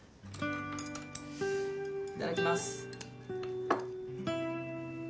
いただきます。